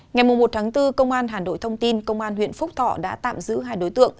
ngày một tháng bốn công an hà nội thông tin công an huyện phúc thọ đã tạm giữ hai đối tượng